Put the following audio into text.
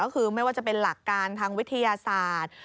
ก็คือไม่ว่าจะเป็นหลักการทางวิทยาศาสตร์